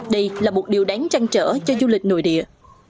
đây là một điều đáng trăng trở cho du lịch nội địa